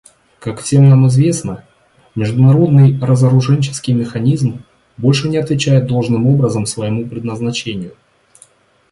Как всем нам известно, международный разоруженческий механизм больше не отвечает должным образом своему предназначению.